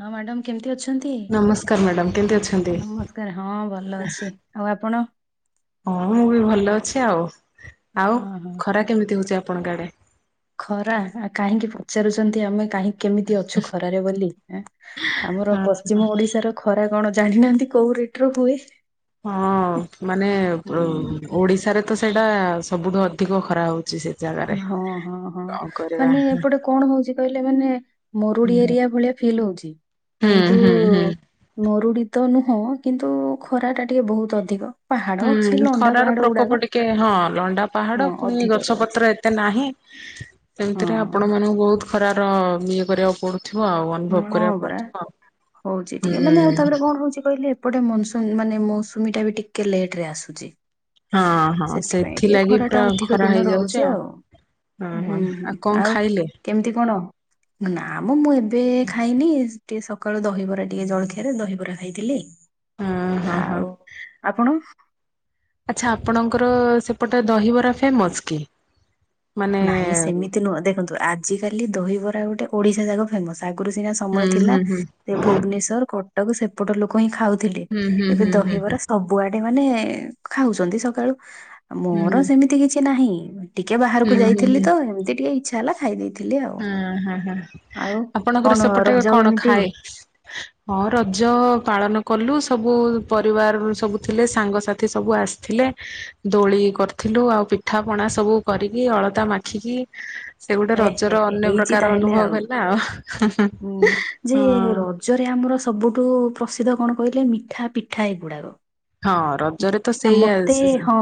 ହଁ ମ୍ୟାଡାମ କେମିତି ଅଛନ୍ତି? ନମସ୍କାର ମ୍ୟାଡ଼ାମ କେମିତି ଅଛନ୍ତି? ନମସ୍କାର ହଁ ଭଲ ଅଛି। ଆଉ ଆପଣ ହଁ ମୁଁ ବି ଭଲ ଅଛି ଆଉ, ଆଉ ହଁ ହଁ ହଁ। ଖରା କେମିତି ହଉଛି ଆପଣଙ୍କ ଆଡେ ଖରା ଆ କାହିଁକି ପଚାରୁଛନ୍ତି ଆମେ କାହିଁକି କେମିତି ଅଛୁ ଖରାରେ ବୋଲି ଆମର ପଶ୍ଚିମ ଓଡିଶାର ଖରା କଣ ଜାଣିନାହାନ୍ତି କୋଉ ରେଟ୍ ର ହୁଏ ହଁ ମାନେ ହୁଁ, ଓଡିଶାରେ ତ ସେଇଟା ସବୁଠୁ ଅଧିକ ଖରା ହଉଛି ସେ ଜାଗାରେ। ହଁ ହଁ ହଁ କଣ କରିବା ମାନେ ହୁଁ ଏପଟେ କଣ ହଉଛି କହିଲେ ମାନେ ମରୁଡି ଏରିଆ ଭଳିଆ ଫିଲ୍ ହଉଛି ହୁଁ କିନ୍ତୁ ହୁଁ। ହୁଁ ମରୁଡି ତ ନୁହଁ କିନ୍ତୁ ଖରା ଟା ଟିକେ ବହୁତ୍ ଅଧିକ ପାହାଡ ଅଛି ହୁଁ ଲଣ୍ଡା ଖରାର ପାହାଡ ଗୁଡାକ। ପ୍ରକୋପ ଟିକେ ହଁ ଲଣ୍ଡା ପାହାଡ ହଁ ପୁଣି ଅଧିକ ରହୁଛି ଗଛପତ୍ର ଏତେ ଏତେ ନାହିଁ ହଁ ସେମିତିରେ ଆପଣ ମାନଙ୍କୁ ବହୁତ ଖରାର ଇଏ କରିବାକୁ ପଡୁଥିବ ଆଉ ଅନୁଭବ ହଁ କରିବାକୁ ହଁ ପରା ପଡୁଥିବ ଆଉ। ହଉଛି ହୁଁ ଟିକେ ମାନେ ଆଉ ତାପରେ କଣ ହଉଛି କହିଲେ ସେପଟେ ମନସୁନ ମାନେ ମୌସୁମୀ ଟା ବି ଟିକେ ଲେଟ ରେ ଆସୁଛି। ହଁ ହଁ ସେଥିପାଇଁ ଟିକେ ସେଥିଲାଗି ଖରା ଟା ପୁରା ଅଧିକ ଖରା ଦିନ ହେଇଯାଉଛି ରହୁଛି ଆଉ। ହଁ ହଁ ହୁଁ ହୁଁ କଣ ଆଉ ଖାଇଲେ? କେମିତି କଣ ନାମ ମୁଁ ଏବେ ଖାଇନି ଟିକେ ସକାଳୁ ଦହିବରା ଟିକେ ଜଳଖିଆରେ ଦହିବରା ଖାଇଥିଲି ହଁ ହଁ ହଁ ଆଉ ଆପଣ ଆଚ୍ଛା ଆପଣଙ୍କର ସେପଟେ ଦହିବରା ଫେମସ୍ କି? ମାନେ ନାଇଁ ସେମିତି ନୁହଁ ଦେଖନ୍ତୁ ଆଜିିକାଲି ଦହିବରା ଗୋଟେ ଓଡିଶା ଯାକ ଫେମସ ଆଗରୁ ସିନା ହୁଁ ସମୟ ଥିଲା ହୁଁ ହୁଁ ଦେ ଭୁବେନେଶ୍ୱର କଟକ ସେମ ଏପଟ ଲୋକ ହିଁ ଖାଉଥିଲେ ହୁଁ ହୁଁ ଏବେ ହୁଁ ହୁଁ ହୁଁ। ଦହିବରା ସବୁ କୁଆଡେ ମାନେ ଖାଉଛନ୍ତି ସକାଳୁ ମୋର ହୁଁ ସେମିତି କିଛି ନାହିଁ ଟିକେ ବାହା କୁ ହୁଁ ହୁଁ ଯାଇଥିଲି ହୁଁ ତ ଏମିତି ଟିକେ ଇ ହଁ ହଁ ହଁ ଆଉ ଆପଣଙ୍କର କଣ ସେପଟ ରଜ କଣ କେମିତି ଖାଏ? ଏ ହଁ ରଜ ପାଳନ କଲୁ ସବୁ ପରିବାରରୁ ସବୁ ଥିଲେ ସାଙ୍ଗସାଥି ସବୁ ଆସିଥିଲେ ଦୋଳି କରିଥିଲୁ ଆଉ ପିଠା ପଣା ସବୁ କରିକି ଅଳତା ମାଖିକି ସେ ଗୋଟେ ହେ ରଜର ହେ ଅନ୍ୟ ହେଇଛି ପ୍ରକାର ତାହେଲେ ଅନୁଭବ ହେଲା ଆଉ ହୁଁ ହୁଁ ହଁ। ରାଜ୍ୟରେ ଆମର ସବୁଠୁ ପ୍ରସିଦ୍ଧ କଣ କହିଲେ ମିଠା ପିଠା ଏଗୁଡ଼ାକ। ହଁ ରଜରେ ତ ସେଇଆ ମତେ ହଁ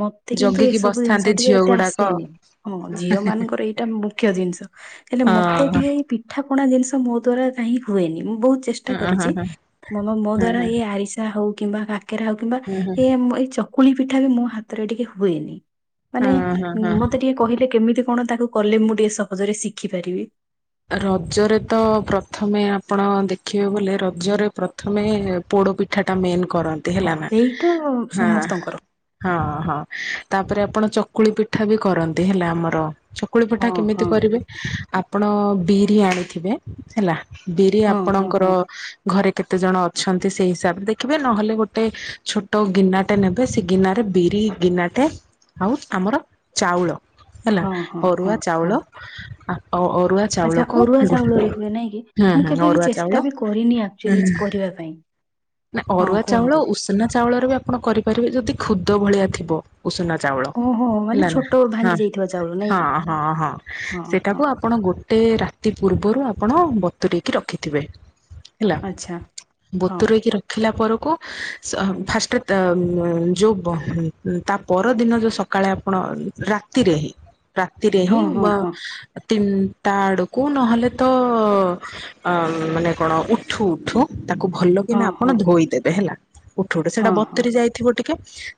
ମତେ କିନ୍ତୁ ଜଗିକି ଏସବୁ ବସିଥାନ୍ତି ଜିନିଷ ଟିକେ ଝିଅ ଏତେ ଗୁଡାକ। ଆସେନି। ହଁ ଝିଅ ମାନଙ୍କର ଏଇ ଟା ମୁଖ୍ୟ ଜିନିଷ ହେଲେ ମତେ ହଁ। ଟିକେ ପିଠା ପଣା ଜିନିଷ ମୋ ଦ୍ୱରା କାହିଁ ହୁଏନି ମୁଁ ବହୁତ୍ ଚେଷ୍ଟା ହଁ ହଁ କରିଛି ହଁ ମୋ ମୋ ମୋ ହଁ ଦ୍ଵାରା ହଁ ଏଇ ଆରିସା ହଉ କିମ୍ବା କାକେରା ହଉ କିମ୍ବା ହଁ ହଁ ଏଇଆ ଚକୁଳି ପିଠା ବି ମୋ ହାତରେ ଟିକେ ହୁଏନି ମାନେ ହଁ ହଁ ହଁ। ମତେ ଟିକେ କହିଲେ କେମିତି କଣ ତାକୁ କଲେ ମୁଁ ଟିକେ ସହଜରେ ଶିଖିପାରିବି। ରଜରେ ତ ପ୍ରଥମେ ଆପଣ ଦେଖିବାକୁ ଗଲେ ରଜରେ ପ୍ରଥମେ ପୋଡ ପିଠା ଟା ମେନ୍ କରନ୍ତି ହଁ ହେଲା ନା ସେଇଟା ହଁ। ସମସ୍ତଙ୍କର ହଁ ହଁ ତାପରେ ଆପଣ ଚକୁଳି ପିଠା ବି କରନ୍ତି ହେଲା ଆମର ଚକୁଳି ପଠା ହଁ ହଁ କେମିତି କରିବେ ହଁ ଆପଣ ବିରି ଆଣିଥିବେ ହେଲା ବିରି ହଁ ହଁ ଆପଣଙ୍କର ହଁ। ଘରେ କେତେ ଜଣ ଅଛନ୍ତି ସେଇ ହିସାବରେ ଦେଖିବେ ନହେଲେ ଗୋଟେ ଛୋଟ ଗିନା ଟେ ନେବେ ସେ ଗିନାରେ ବିରି ଗିନାଟେ ଆଉ ଆମର ଚାଉଳ ହେଲା ହଁ ହଁ ହଁ ଅରୁଆ ଚାଉଳ ହଁ ଅ ଅରୁଆ ଆଚ୍ଛା ଚାଉଳକୁ ଅରୁଆ ଗୋଟେ ଚାଉଳରେ ହୁଏ ନାଇଁ କି? ହଁ ମୁଁ ହଁ କେବେ ବି ଅରୁଆ ଚେଷ୍ଟା ଚାଉଳ ବି କରିନି ଆକ୍ଚୁଆଲି ହୁଁ କରିବା ପାଇଁ। ନା ହଁ ଅରୁଆ ଚାଉଳ କୁହନ୍ତୁ ଉଷନା ଚାଉଳରେ ବି ଆପଣ କରିପାରିବେ ଯଦି ଖୁଦ ଭଳିଆ ଥିବ। ଉଷୁନା ଚାଉଳ ଓହୋ ମାନେ ହେଲା ନା ଛୋଟ ହଁ ଭାଙ୍ଗି ଯାଇଥିବା ଚାଉଳ ନାଇଁ କି? ହଁ ହଁ ହଁ ହଁ ସେଇଟାକୁ ହଁ ଆପଣ ଗୋଟେ ରାତି ପୂର୍ବରୁ ଆପଣ ବତୁରେଇକି ରଖିଥିବେ। ହେଲା ଆଚ୍ଛା ହଁ ବତୁରେଇକି ରଖ ରଖିଲା ପରକୁ ସ ଫାଷ୍ଟ ତା ଯଉ ପର ତା ପରଦିନ ଯୋଉ ସ ସକାଳେ ଆପଣ ରାତିରେ ହିଁ ରାତିରେ ହଁ ହିଁ ହଁ ହଁ ଦିନ ତା ଆଡ଼କୁ ନହେଲେ ତ ମାନେ କଣ ଉଠୁ ଉଠୁ ତାକୁ ଭଲ କିନା ହଁ ଆପଣ ହଁ ଧୋଇଦେବେ ହେଲା ଉଠୁଉଠୁ ସେଇଟା ହଁ ହଁ। ବତୁରୀ ଯାଇଥିବ ଟିକେ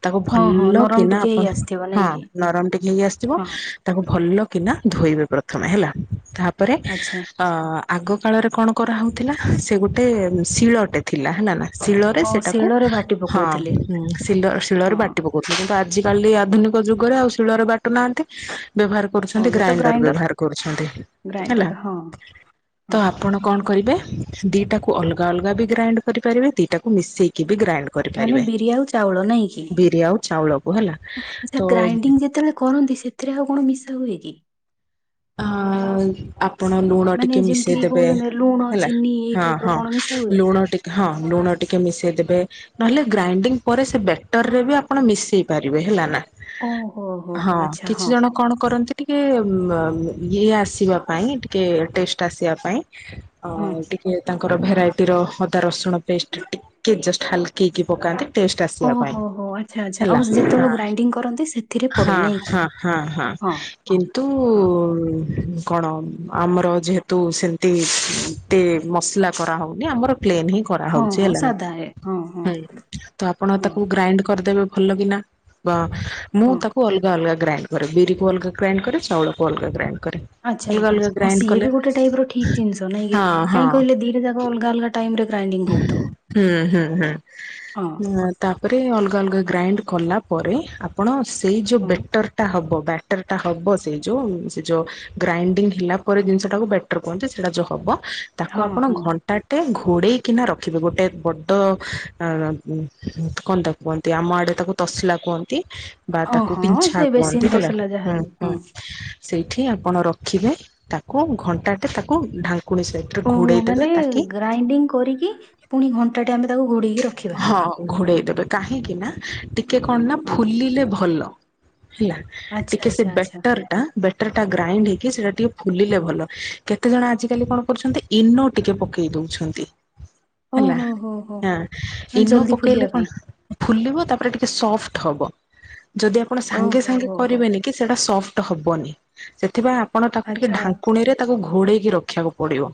ତାକୁ ହଁ ହଁ ଭଲ ନରମ କିନା ଟିକେ ହେଇ ଆପଣ ଆସିଥିବ ହଁ ନାଇଁ କି ନରମ ଟିକେ ହେଇ ଆସୁଥିବ ହଁ ତାକୁ ଭଲ କିନା ଧୋଇବେ ପ୍ରଥମେ ହେଲା ତାପରେ ଆଚ୍ଛା ଆ ଆଗ କାଳରେ କଣ କରାହଉଥିଲା ସେ ଗୋଟେ ଶିଳଟେ ଥିଲା ହେଲା ନା ଶିଳରେ ହଁ ସେଟାକୁ ଶିଳରେ ବାଟି ହଁ ପକଉଥିଲେ ଶଲ ହଁ ଶିଳରେ ବାଟିପକ କରୁଛନ୍ତି କିନ୍ତୁ ଆଜିିକାଲି ଆଧୁନିକ ଯୁଗରେ ଆଉ ଶିଳରେ ବାଟୁ ନାହାନ୍ତି ବ୍ୟବହାର ହଁ କରୁଛନ୍ତି ଏବେ ତ ଗ୍ରାଇଣ୍ଡ ର ଗ୍ରାଇଣ୍ଡର ବ୍ୟବହାର କରୁଛନ୍ତି ହେଲା ଗ୍ରାଇଣ୍ଡର ହଁ ତ ହଁ ଆପଣ କଣ କରିବେ ଦିଇଟାକୁ ଅଲଗା ଅଲଗା ବି ଗ୍ରାଇଣ୍ଡ୍ କରିପାରିବେ ଦିଇଟାକୁ ମିଶେଇକି ବି ଗ୍ରାଇଣ୍ଡ୍ ମାନେ ବିରି ଆଉ ଚାଉଳ ନାଇଁ କି ଆଉ ଚାଉଳକୁ ହେଲା ତ ଆଛା ଗ୍ରାଇଣ୍ଡିଙ୍ଗ୍ ଯେତେବେଳେ କରନ୍ତି ସେ ସେଥିରେ ଆଉ କଣ ମିଶା ହୁଏ କି? [inaudible] ହଁ ଆପଣ ଲୁଣ ମାନେ ଟିକେ ଯେମିତି କିି ମିଶେଇଦବେ କହୁଛନ୍ତି ଲୁଣ ହେଲା ଚିନି ଏଇ ଟାଇପ ହଁ- ର ହଁ କଣ ମିଶା ହୁଏ? ଲୁଣ ଟି ହଁ ଲୁଣ ଟିକେ ମିଶେଇଦେବେ ନହେଲେ ଗ୍ରାଇଣ୍ଡିଙ୍ଗ୍ ପରେ ସେ ବେଟର୍ ରେ ବି ଆପଣ ମିଶେଇ ପାରିବେ ହେଲା ନା। ଓହୋ ହୋ ହୋ ହଁ ଆଚ୍ଛା କିଛି ହଁ ଜଣ କଣ କରନ୍ତି ଟିକେ ଇଏ ଆସିବା ପାଇଁ ଟିକେ ଟେଷ୍ଟ୍ ଆସିବା ପାଇଁ ହଁ ଅ-ଟି ଇଏ ତାଙ୍କର ଭେରାଇଟିର ଅଦା ରସୁଣ ପେଷ୍ଟ୍ ଟିକେ ଜଷ୍ଟ୍ ହାଲ୍ କେଇକି ପକାନ୍ତି ଟେଷ୍ଟ୍ ଆସିବା ପାଇଁ ଓହୋ ହୋ ଆଚ୍ଛା ଆଚ୍ଛା ଆଉ ହେଲା ଯେତେବେଳେ ଗ୍ରାଇଣ୍ଡିଙ୍ଗ କରନ୍ତି ସେଥିରେ ପଡେ ହଁ ନାଇଁ କି? -ହଁ -ହଁ। ହଁ -ହଁ କିନ୍ତୁ ହଁ କଣ ଆମର ଯେହେତୁ ସେମିତି ଏତେ ମସଲା କରାହଉନି ଆମର ପ୍ଲେନ୍ ହିଁ କରା ହଁ ହଉଚି ହଁ ହେଲା ନା ସାଧା ଏ ହଁ ହଁ ହୁଁ- ତ ଆପଣ ହଁ ତାକୁ ଗ୍ରାଇଣ୍ଡ୍ କରିଦେବେ ଭଲ କି ନା। ବା- ମୁଁ ହଁ ତାକୁ ଅଲଗା ଅଲଗା ଗ୍ରାଇଣ୍ଡ୍ କରେ ବିରି କୁ ଅଲଗା ଗ୍ରାଇଣ୍ଡ୍ କରେ ଚାଉଳକୁ ଅଲଗା ଗ୍ରାଇଣ୍ଡ୍ କରେ। ଆଚ୍ଛା ଅଲଗା ଆଚ୍ଛା ଅଲଗା ଓ ଗ୍ରାଇଣ୍ଡ ସିଏ କଲେ ବି ଗୋଟେ ଟାଇପ୍ ର ଠିକ୍ ଜିନିଷ ନାଇଁ କି ହଁ ହଁ କାଇଁ କହିଲେ ଦିଟା ଯାକ ଅଲଗା ଅଲଗା ଟାଇମ୍ ରେ ଗ୍ରାଇଣ୍ଡିଙ୍ଗ୍ ହଉଥିବ। ହୁଁ- ହୁଁ -ହୁଁ ହଁ ତାପରେ ଅଲଗା ଅଲଗା ଗ୍ରାଇଣ୍ଡ୍ କଲା ପରେ ଆପ୍ ଆପଣ ସେଇ ଯଉ ହଁ ବେଟର୍ ଟା ହେବ ବ୍ୟାଟର୍ ଟା ହବ ସେଇ ଯଉ ସେ ଯଉ ଗ୍ରାଇଣ୍ଡିଙ୍ଗ୍ ହେଲା ପରେ ଜିନିଷ ଟାକୁ ବେଟର୍ କୁହନ୍ତି ସେଇଟା ଯଉ ହବ ତାକୁ ଆପଣ ହଁ। ଘଣ୍ଟାଟେ ଘୋଡେଇ କିନା ରଖିବେ ଗୋଟେ ବଡ ଅ- କଣ ତାକୁ କୁହନ୍ତି ଆମ ଆଡେ ତାକୁ ତସଲା କୁହନ୍ତି ବା ହଁ ତାକୁ ହଁ ହଁ ପିନ୍ଛା ସେ ବେସିନ କୁହନ୍ତି ହେଲା ତସଲା ହୁଁ- ଯାହାବି ହଁ ହୁଁ। ସେଇଠି ଆପଣ ରଖିବେ ତାକୁ ଘଣ୍ଟାଟେ ତାକୁ ଢାଙ୍କୁଣି ସେ ଓହୋ ମାନେ ଗ୍ରାଇଣ୍ଡିଙ୍ଗ୍ କରିକି ପୁଣି ଘଣ୍ଟାଟେ ଆମେ ତାକୁ ଘୋଡେଇକି ରଖ୍ ହଁ ଘୋଡେଇ ଦେବେ କାହିଁକି ନା ଟିକେ କଣ ନା ହଁ ଫୁଲିଲେ ଭଲ। ହେଲା ଆଚ୍ଛା ଟିକେ ସେ ଆଚ୍ଛା ଆଚ୍ଛା ବେଟର୍ ଟା ବେଟର୍ ଟା ଗ୍ରାଇଣ୍ଡ୍ ହେଇକି ସେଟା ଟିକେ ଫୁଲିଲେ ଭଲ କେତେଜଣ ଆଜିକାଲି କଣ କରୁଚନ୍ତି ଇନୋ ଟିକେ ପକେଇ ଦଉଛନ୍ତି। ଓ- ହୋ -ହୋ -ହୋ। ଆଁ ମାନେ -ଇନୋ ଜଲଦି ପକେଇଲେ ଫୁଲିବା କଣ ପାଇଁ ଫୁଲିବ ତାପରେ ଟିକେ ସଫ୍ଟ୍ ହବ ଯଦି ଆପଣ ସାଙ୍ଗେ ଓହୋ ସାଙ୍ଗେ ହୋ ହୋ କରିବେନି କି ସେଟା ସଫ୍ଟ୍ ହବନି ସେଥିପାଇଁ ଆପଣ ତାକୁ ଟିକେ ଆଚ୍ଛା ଢାଙ୍କୁଣୀରେ ତାକୁ ଘୋଡେଇକି ରଖିବାକୁ ପଡିବ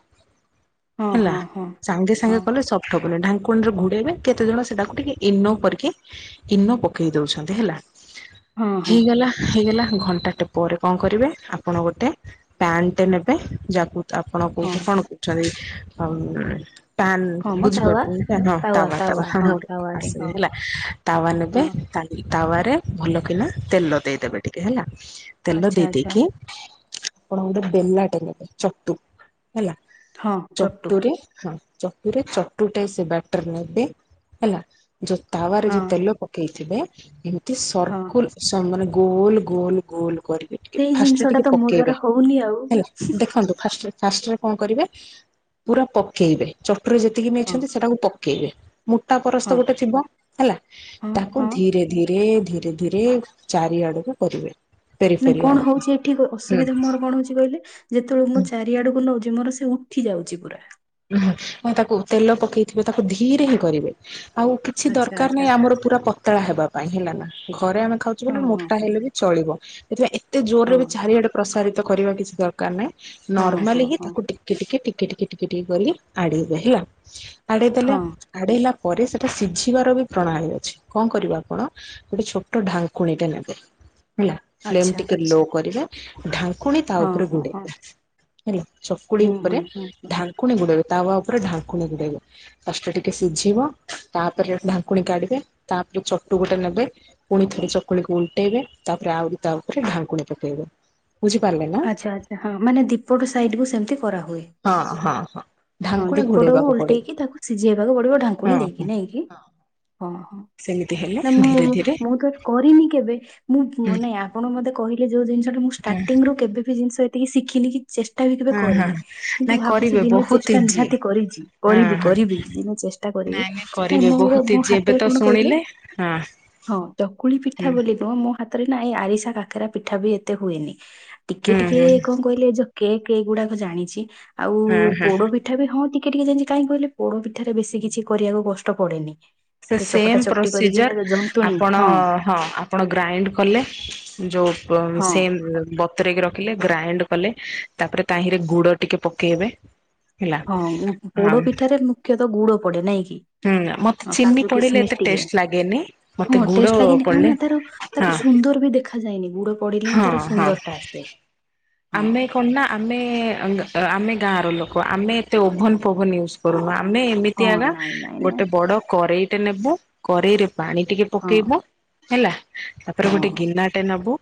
ହଁ ହେଲା ହଁ ହଁ ସାଙ୍ଗେ ହଁ ସାଙ୍ଗେ କଲେ ସଫ୍ଟ୍ ଢାଙ୍କୁଣି ରେ ଘୁଡେଇବେ କେତେ ଜଣ ସେଟାକୁ ଟିକେ ଇନୋ କରିକି ଇନୋ ପକେଇ ଦଉଛନ୍ତି ହେଲା ହଁ ହଁ ହେଇଗଲା ହେଇଗଲା ଘଣ୍ଟାଟେ ପରେ କଣ କରିବେ ଆପଣ ଗୋଟେ ପ୍ୟାନ୍ ଟେ ନେବେ ଯାହାକୁ ଆପଣ ହଁ କଉଠେ କଣ କହୁଛନ୍ତି ଆ- ପ୍ୟାନ୍ ହଁ ମ ତାୱା ବୁଝିପାରୁଚନ୍ତି? ହଁ- ତାୱା -ତାୱା ହଁ [unintelligible] ତାୱାଟେ ଆସନି ହଁ ହେଲା ତାୱା ନେବେ ହଁ ଖାଲି ତାୱାରେ ଭଲ କିନା ତେଲ ଦେଇଦେବେ ଟିକେ ହେଲା ତେଲ ଆଚ୍ଛା ଦେଇ ଆଚ୍ଛା ଦେଇକି ଆପଣ ଗୋଟେ ବେଲାଟେ ନେବେ ଚଟୁ ହେଲା ହଁ ଚଟୁ ଚଟୁରେ ହଁ ଚଟୁରେ ଚଟୁଟ ସେବା ଟର ନେବେ ହେଲା ଯୋଉ ତାୱ ଯୋଉ ହଁ ତେଲ ପକେଇଥିବେ ହଁ। ସର୍କୁଲ ମାନେ ଗୋଲ ଗୋଲ ଗୋଲ କରିକି ସେଇ ଫାଷ୍ଟରେ ଜିନିଷ ଟା ଟିକେ ତ ମୋ ଦ୍ଵାରା ପକେଇବେ ହଉନି ଆଉ। ହେଲା। ଦେଖନ୍ତୁ ଫାଷ୍ଟରେ ଫାଷ୍ଟରେ କଣ କରିବେ, ପୁରା ପକେଇବେ ଚଟୁରରେ ଯେତିକି ହଁ ନେଇଛନ୍ତି ସେଟାକୁ ପକେଇବେ। ମୋଟା ହଁ ପରସ୍ତ ଗୋଟେ ଥିବ ହେଲା, ହଁ ତାକୁ ହଁ। ଧୀରେ ଧୀରେ ଧୀରେ ଧୀରେ ଚାରିଆଡକୁ କରିବେ। ପେରି ନାଇଁ ପେରି କଣ ଆଡକୁ ହଉଛି ଏଠି ହୁଁ ଅସୁବିଧା ହୁଁ ମୋର କଣ ହଉଛି କହିଲେ, ଯେତେବେଳେ ମୁଁ ଚାରିଆଡକୁ ନଉଛି ମୋର ସେ ଉଠି ଯାଉଛି ପୁରା। ଉଁହୁଁ ତାକୁ ତେଲ ପକେଇଥିବେ ତାକୁ ଧୀରେ ହିଁ କରିବେ। ଆଉ କିଛି ଆଚ୍ଛା ଦରକାର ଆଚ୍ଛା ନାହିଁ ଆମର ପୁରା ପତଳା ହେବା ପାଇଁ ହେଲା ନା, ଘରେ ଆମେ ଖାଉ ହଁ ଜୀବନ ହଁ ମୋଟା ହଁ ହେଲେ ବି ଚଳିବ। ସେଥିପାଇଁ ଏତେ ହଁ ଜୋରରେ ବି ଚାରିଆଡେ ପ୍ରସାରିତ କରିବା କିଛି ଦର [unintelligible] ହଁ ନର୍ମାଲି ହଁ ହି ହଁ ତାକୁ ଟିକେ ଟିକେ ଟିକେ ଟିକେ ଟିକେ ଟିକେ କରିକି ଆଡେଇବେ ହେଲା। ଆଡେଇ ଦେଲ। ହଁ ଆଡେଇଲା ପରେ ସେଟା ସିଝିବାର ବି ପ୍ରଣାଳୀ ଅଛି, କଣ କରିବ ଆପଣ ଗୋଟେ ଛୋଟ ଢାକୁଣିଟା ନେବେ। ହେଲା ଫ୍ଲେମ ଆଚ୍ଛା। ଟିକେ ଲୋ କରିବେ, ଢାଙ୍କୁଣୀ ତା ହଁ ଉପରେ ହଁ ହଁ ଗୋଡେଇବେ। ହେଲା ଚକୁଡି ହୁଁ ହୁଁ ଉପରେ ହୁଁ ଢାଙ୍କୁଣୀ ଗୁଡେଇବେ, ତାୱ ଉପରେ ଢାଙ୍କୁଣୀ ଗୁଡେଇବେ। ଫଷ୍ଟା ଟିକେ ସିଝିବ ତାପରେ ଢାଙ୍କୁଣି କାଢିବେ, ତାପରେ ଚଟୁ ଗୋଟେ ନେବେ। ପୁଣି ଥରେ ଚକୁଳିକୁ ଉଲଟେଇବେ ତାପରେ ଆହୁରି ତା ଉପରେ ଢାଙ୍କୁଣୀ ପକେଇବେ। ବୁଝିପାରିଲେ ନା? ଆଚ୍ଛା ଆଚ୍ଛା ହଁ ମାନେ ଦୀପଟ ସାଇଟି ସେମିତି କରାହୁଏ। ହଁ ହଁ ହଁ। ହଁ ଢାଙ୍କୁଣୀ ଦୀପଟାକୁ ଘୋଡେଇବାକୁ ପଡିବ। ଓଲଟେଇକି ତାକୁ ସିଝେଇବାକୁ ପଡିବ ଢାଙ୍କୁଣୀ ହଁ ହଁ। ଦେଇକି, ନେଇକି। [unintelligible] ସେମିତି ହେଲେ ନା ଧୀରେ ଧୀରେ [unintelligible] ମୁଁ ତ କରିନି କେବେ। ମୁଁ ହୁଁ ମାନେ ଆପଣ ମତେ କହିଲେ ଯୋଉ ଜିନିଷ ଟା ମୁଁ ଷ୍ଟାର୍ଟିଂ ରୁ କେବେ ବିି ଜିନିଷ ଏତିକି ଶିଖିନି କି ଚେଷ୍ଟା ବି କେବେ ହଁ ହଁ କରିନି। କିନ୍ତୁ ନାଇଁ ଭାବୁଛି କରିବେ ଦିନେ ବହୁତ ଚେଷ୍ଟା ଇଜି ନିହାତି କରିଛି, ହଁ କରିବି ହଁ। କରିବି ଦିନେ ଚେ ଚେ କରିବି। ନାଇଁ ନାଇଁ କରିବେ ମୋର ବହୁତ ମୋ ଇଜି ଏବେ ହାତରେ ତ କଣ କହିଲେ। ଶୁଣିଲେ ହଁ ହଁ ଚକୁଳି ପିଠା ହୁଁ ବୋଲି ନୁହଁ, ମୋ ହା ରେ ନା ଏ ଆରିସା କାକେରା ପିଠା ବି ଏତେ ହୁଏନି। ଟିକେ ହୁଁ ଟିକେ ହୁଁ କଣ କହିଲେ କେ କେକ୍ ଏଗୁଡାକ ଜାଣିଛି। ଆଉ ହଁ ହଁ। ପୋଡ ବି ପିଠା ବି ହଁ ଟିକେ ଟିକେ ଜାଣିଛି କାହିଁ କହିଲ ପୋଡ ପିଠାରେ ବେଶୀ କିଛି କରିବାକୁ କଷ୍ଟ ପଡେନି। ସେ ଚକଟା ସେମ୍ ଚକଟି କରିକି ପ୍ରୋସିଜର୍ ଜନ୍ତୁଣୀ ଆପଣ ହଁ ଆପଣ ଗ୍ରାଇଣ୍ଡ କଲେ [unintelligible] ହଁ ପତରେ ରଖିଲେ, ଗ୍ରାଇଣ୍ଡ କଲେ ତାପରେ ତାହିରେ ଗୁଡ ଟିକେ ପକେଇବେ। ହେଲା ହଁ [unintelligible] ହଁ ପୋଡ ପିଠାରେ ମୁଖ୍ୟତଃ ଗୁଡ ପଡେ ନାଇଁ କି। ହୁଁ ମତେ ହଁ ଚିନି କାଜୁ ପଡିଲେ କିସମିସ ଏତେ ଟିକେ, ଟେଷ୍ଟ ଲାଗେନି ମତେ ହଁ ଗୁଡ ଟେଷ୍ଟ ଲାଗନି ଆଉ ପଡିଲେ ନା ତାର ହଁ ତାକୁ ସୁନ୍ଦର ବି ଦେଖାଯାଏନି। ଗୁଡ ପଡିଲେ ହିଁ ହଁ ତାର ସୁନ୍ଦର ଟା ଆସେ। ହଁ। ଫୋନ୍ ନା ଆମେ [unintelligible] ଆମେ ଗାଁର ଲୋକ, ଆମେ ଏତେ ଓଭନ ଫୋଭନ୍ ୟୁଜ୍ କରୁନ। ଆମେ ଏମିତି ହଁ ହେଲା ନାଇଁ ନାଇଁ ନାଇଁ ବଡ କରେଇ ଟା ନେବୁ କରେଇରେ ପାଣି ଟିକେ ହଁ ପକେଇବୁ, ହେଲା। ତାପରେ ହଁ ଗୋଟେ ଗିନାଟେ ନବୁ।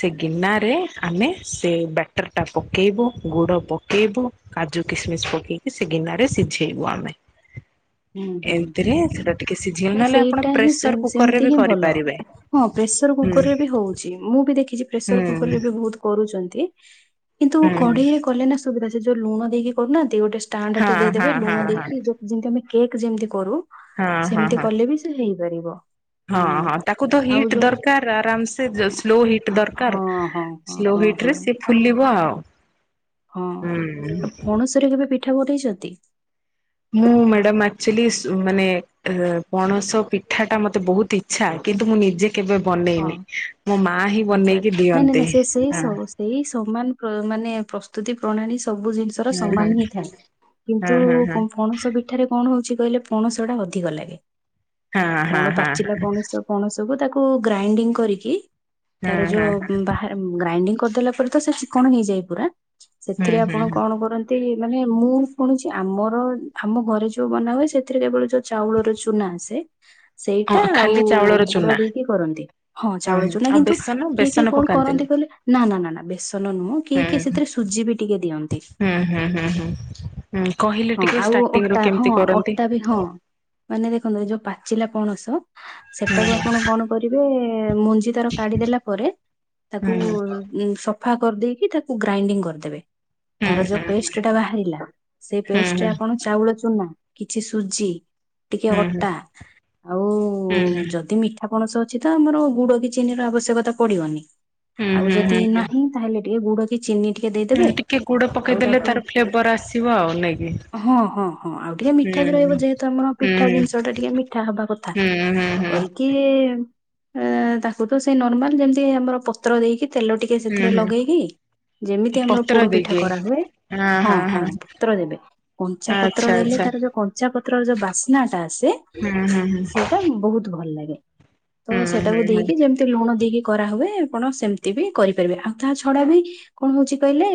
ସେ ଗିନାରେ ଆମେ ସେ ବ୍ୟାଟର୍ଟା ପକାଇବୁ, ଗୁଡ଼ ପକାଇବୁ। କାଜୁ କିସମିସ୍ ପକେଇକି ସେ ଗିନାରେ ସିଝେଇବୁ ଆମେ। ହୁଁ ହୁଁ ହୁଁ ଏମିତିରେ ହୁଁ, ସେଟା ଟିକେ ସିଝେଇ ନାଇଁ ନହେଲେ ଆପଣ ସେଇଟା ହିଁ ପ୍ରେସର [unintelligible] କୁକର ରେ ସେମିତି ବି ହିଁ ଭଲ। କରିପାରିବେ ହଁ ପ୍ରେସର ହୁଁ କୁକର ରେ ବି ହଉଛି। ମୁଁ ବି ଦେଖିଛି ହୁଁ ପ୍ରେସର କୁକର ରେ ବି ବହୁତ କରୁଛନ୍ତି। କିନ୍ତୁ ହୁଁ କଢେଇରେ କଲେ ନା ସୁବିଧା ସେ ଯୋଉ ଲୁଣ ଦେଇକି କରୁନାହନ୍ତି ଗୋଟେ ହଁ ଷ୍ଟାଣ୍ଡଟା ହଁ ଦେଇଦେବେ ହଁ ଲୁଣ ହଁ ଦେଇକି ଯୋଉ ଯେମ୍ତି ଆମେ କେକ୍ ଯେମ୍ତି କରୁ ହଁ ସେମ୍ତି କଲେ ବି ସେ ହେଇପାରିବ। ହୁଁ ହଁ-ହଁ ତାକୁ ତ ଆଉ ହିଟ୍ ଯୋଉ ଦରକାର୍ ଆରାମ୍ ସେ ସ୍ଲୋ ହିଟ୍ ଦରକାର୍। ହଁ ହଁ ହଁ ସ୍ଲୋ ହଁ ହିଟ୍ ହଁ ରେ ସିଏ ଫୁଲିବ ଆଉ। ହଁ ହୁଁ ପଣସରେ କେବେ ପିଠା ବନେଇଛନ୍ତି? ମୁଁ ମ୍ୟାଡ଼ାମ ଆକ୍ଚୁଲି ମାନେ ପଣସ ପିଠାଟା ମତେ ବହୁତ୍ ଇ ଛା କିନ୍ତୁ ମୁଁ ନିଜେ କେବେ ହଁ ବନେଇନି ମୋ ମା ହିଁ ଆଚ୍ଛା ବନେଇକି ନାଇଁ ନାଇଁ ଦିଅନ୍ତି। ନାଇଁ ସେ ସେଇ ସବୁ ସେଇ ସମାନ ମାନେ ପ୍ରସ୍ତୁତି ପ୍ରଣାଳୀ ସବୁ ଜିନିଷ [unintelligible] ହଁ ସମାନ ହିଁ ଥାଏ କିନ୍ତୁ ହଁ ହଁ ହଁ ହଁ। ପଣସ ପିଠାରେ କଣ ହଉଚି କହିଲେ ପଣସ ଟା ଅଧିକ ଲାଗେ ହଁ ହଁ ପଣ ହଁ ପାଚିଲା ପଣିସ ପଣ ସବୁ ତାକୁ ଗ୍ରାଇଡିଙ୍ଗ କରିକି ତାର ହଁ ହଁ ଯୋଉ [unintelligible] ଗ୍ରାଇଣ୍ଡିଙ୍ଗ କରିଦେଲା ପରେ ତ ସେ ଚିକଣ ହେଇଯାଏ ପୁରା ହୁଁ ସେଥିରେ ହୁଁ ଆପଣ ହୁଁ। କଣ କରନ୍ତି [unintelligible] ମାନେ ମୁଁ ଶୁଣୁଛି ଆମର ଆମ ଘରେ ଯୋଉ ବନା ହୁଏ ସେଥିରେ କେବଳ ଯୋଉ ଚାଉଳର ଚୁନା ଆସେ ହଁ ସେଇଟା ଆଉ ଖାଲି ଚାଉଳର ଗୁଡ ଚୁନା। ନେଇକି କରନ୍ତି, ହଁ ହୁଁ ଚାଉଳ ହୁଁ ଚୁନା ଆଉ କିନ୍ତୁ ବେସନ କିଏ-କିଏ ବେସନ କଣ କରନ୍ତି ପକାନ୍ତିନି। କହିଲେ ନା-ନା-ନା-ନା ବେସନ ନୁହଁ ହୁଁ କିଏ-କିଏ ସେଥିରେ ସୁଜି ବି ଟିକେ ଦିଅନ୍ତି। [inaudible] ହୁଁ କହିଲି ହଁ ଆଉ ଅଟା ହଁ ଅଟା ବି ହଁ। ମାନେ ଦେଖନ୍ତୁ ଏ ଯୋଉ ପାଚିଲା ପଣସ ସେଟାକୁ ଆପଣ କଣ କରିବେ ମୁଞ୍ଜି ଭିତର କାଢ଼ି ଦେଲା ପରେ ହୁଁ ତାକୁ ଉ ସଫା କରିଦେଇକି ତାକୁ ଗ୍ରାଇଣ୍ଡିଙ୍ଗ କରିଦେବେ ହୁଁ ତାର ଯୋଉ ହୁଁ। ପେଷ୍ଟ ଟା ବାହାରିଲା ପେଷ୍ଟେ ହୁଁ ଆପଣ ଚାଉଳ ଚୁନା କିଛି ସୁଜି ଟିକେ ହୁଁ ହୁଁ ଅଟା ଆଉ ହୁଁ ହୁଁ ଯଦି ମି ମିଠା ପଣସ ଅଛି ତ ଆମର ଗୁଡ଼ କି ଚିନି ର ଆବଶ୍ୟକତା ପଡ଼ିବନି। ଆଉ ହୁଁ ହୁଁ ଯଦି ହୁଁ ହୁଁ ନାହିଁ ତାହେଲେ ଟିକେ ଗୁଡ଼ କି ଚିନି ଟିକେ ଦେଇଦେବେ, ଆଉ ତାକୁ କେବର୍ ଆସିବ ଆଉ ନେଇକି ହଁ-ହଁ-ହଁ ଆଉ ଟିକେ ମିଠା ବି ରହିବ ଯେହେତୁ ଆମର ପିଠା ଜିନିଷ ଟା ଟିକେ ମିଠା ହବା କଥା। ହୁଁ-ହୁଁ-ହୁଁ। କି ତାକୁ ତ ସେ ନର୍ମାଲ ଯେମ୍ତି ଆମର ପତ୍ର ଦେଇକି ତେଲ [unintelligible] ଟିକେ ହୁଁ ସେଥିରେ ହୁଁ ଲଗେଇକି ଯେମିତି ଆମର ପତ୍ର ପୋଡ଼ ପିଠା ଦେଇକି କରାହୁଏ, ହଁ ହଁ ହଁ-ହଁ ହଁ ପତ୍ର ଦେବେ କଞ୍ଚା ପତ୍ର ଆଚ୍ଛା ଦେଲେ ଆଚ୍ଛା ତାର ଯୋଉ କଞ୍ଚା ପତ୍ରର ଯୋଉ ବାସ୍ନାଟା ଆସେ ହୁଁ ହୁଁ ହୁଁ ସେଇଟା ବହୁତ୍ ଭଲ ଲାଗେ, ତ ହୁଁ ସେଟାକୁ ହୁଁ ହୁଁ ଦେଇକି ଯେମି ତି ଲୁଣ ଦେଇକି କରାହୁଏ ଆପଣ ସେମ୍ତି ବି କରିପାରିବେ, ଆଉ ତା ଛଡ଼ା ବି କଣ ହଉଚି କହିଲେ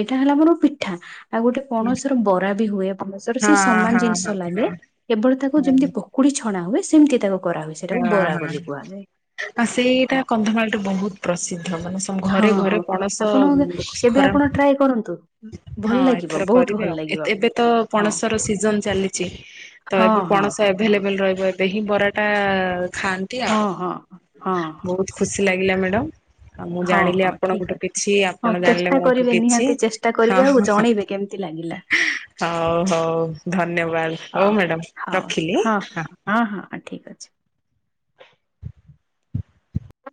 ଏଇଟା ହେଲା ଆମର ପିଠା ଆଉ ଗୋଟେ ପଣସର ବରା ବି ହୁଏ ପଣସର ସେଇ ହଁ ସମାନ ହଁ ଜିନିଷ ହଁ ଲାଗେ କେବଳ ତାକୁ ଯେମ୍ତି ପ ପକୁଡ଼ି ଛଣା ହୁଏ ସେମ୍ତି ତାକୁ କରାହୁଏ ହଁ ସେଟାକୁ ବରା ହଁ ବୋଲି କୁହାଯାଏ। ଆଉ ସେଇଟା ହଁ କନ୍ଧମାଳରେ ବହୁତ୍ ପ୍ରସିଦ୍ଧ ମାନେ [unintelligible] ଘରେ-ଘରେ ପଣସ ଆଉ। ଏବେ ଆପଣ ଟ୍ରାଏ କରନ୍ତୁ ଭଲ ଲାଗିବ। ବହୁତ କରିବି ଭଲ ଆଉ ଲାଗିବ ଏବେ ତ ହଁ ପଣସର ସିଜନ୍ ଚାଲିଚି ତ ହଁ ଏବେ ହଁ ପଣସ ହଁ ହଁ [unintelligible] ରହିବ ଏବେ ହିଁ ବରାଟା ଖାଆନ୍ତି ହଁ ଆଉ ହଁ ହଁ ହଁ [unintelligible] ଖୁସି ଲାଗିଲା ମ୍ୟାଡ଼ମ୍। ଆଉ ମୁଁ ହଁ ଜାଣିଲି ହଁ ଠିକ ଆପଣଙ୍କଠୁ ଅଛି କିଛି ହଁ ଆପଣ ଜାଣିଲେ ଚେଷ୍ଟା ମୋ ଠୁ କରିବେ କିଛି, ନିହାତି ଚେଷ୍ଟା କରିବେ ଆଉ ହଁ-ହଁ। ଜଣେଇବେ କେମିତି ଲାଗିଲା ହଉ-ହଉ ଧନ୍ୟବାଦ ହଉ ମ୍ୟାଡ଼ମ୍ ରଖିଲି ହଁ। ହଁ-ହଁ ଠିକ୍ ଅଛି।